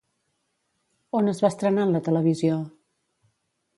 On es va estrenar en la televisió?